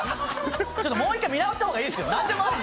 もう一回、見直した方がいいですよ